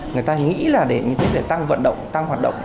người ta nghĩ là để tăng vận động tăng hoạt động